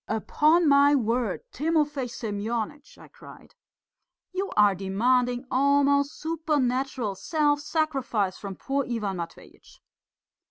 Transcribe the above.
"Upon my word, Timofey Semyonitch!" I cried, "you are demanding almost supernatural self sacrifice from poor Ivan Matveitch."